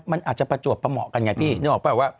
มันอาจจะประจวบประเหมาะกันไงพี่นึกออกป่ะว่า